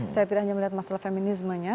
saya tidak hanya melihat masalah feminismenya